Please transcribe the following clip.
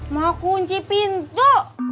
mau kunci pintu